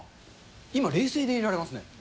今、冷静でいられますね。